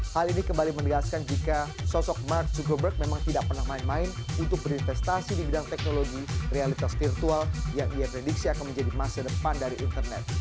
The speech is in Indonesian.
hal ini kembali menegaskan jika sosok mark zuckerberg memang tidak pernah main main untuk berinvestasi di bidang teknologi realitas virtual yang ia prediksi akan menjadi masa depan dari internet